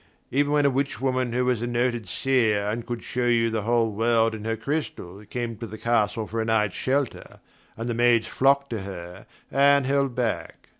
Even when a witch woman who was a noted seer, and could show you the whole world in her crystal, came to the castle for a night's shelter, and the maids flocked to her, Anne held back.